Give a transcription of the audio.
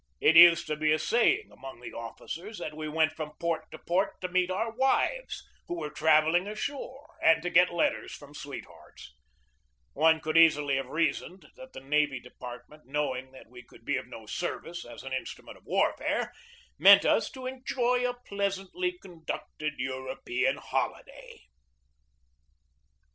It used to be a saying among the BUILDING THE NEW NAVY 159 officers that we went from port to port to meet our wives, who were travelling ashore, and to get letters from sweethearts. One could easily have reasoned that the Navy Department, knowing that we could be of no service as an instrument of warfare, meant us to enjoy a pleasantly conducted European holiday.